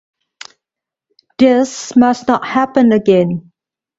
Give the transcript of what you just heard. This must not happen again.